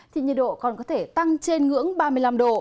thì nhiệt độ còn có thể tăng trên ngưỡng ba mươi năm độ